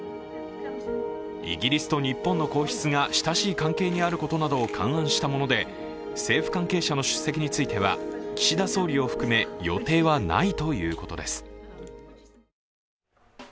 イギリスと日本の皇室が親しい関係にあることなどを勘案したもので政府関係者の出席については岸田総理を含め予定はないということです。